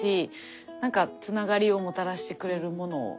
なんかつながりをもたらしてくれるもので。